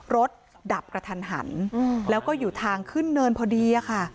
รถดับกระทันหันแล้วก็อยู่ทางขึ้นเนินพอดีค่ะ